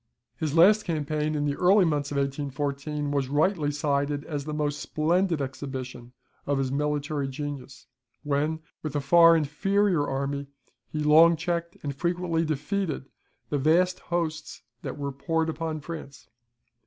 His last campaign, in the early months of 1814, was rightly cited as the most splendid exhibition of his military genius, when, with a far inferior army, he long checked and frequently defeated the vast hosts that were poured upon France.